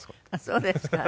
そうですか。